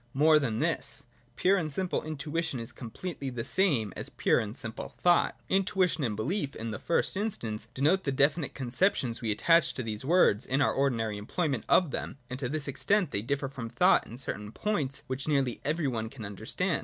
More than this. Pure and simple intui tion is completely the same as pure and simple thought. Intuition and belief, in the first instance, denote the definite conceptions we attach to these words in our ordinary employment of them : and to this extent they differ from thought in certain points which nearly every one can understand.